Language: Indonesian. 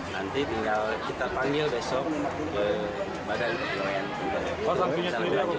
nanti tinggal kita panggil besok ke badan kepegawaian kota bogor